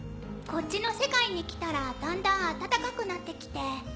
こっちの世界に来たらだんだん暖かくなってきて。